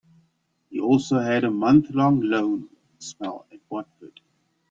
He also had a month-long loan spell at Watford.